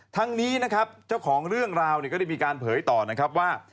ทั้งนี้นะครับเจ้าของเรื่องราวเนี่ยก็ได้มีการเผยต่อนะครับว่า